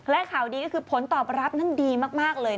และข่าวดีก็คือผลตอบรับนั้นดีมากเลย